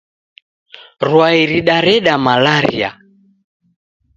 Rwai ridareda malaria